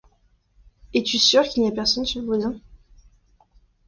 Es-tu sûre qu’il n’y a personne chez le voisin?